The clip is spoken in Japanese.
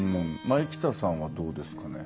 前北さんはどうですかね？